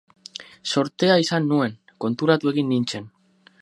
Zortea izan nuen, konturatu egin nintzen.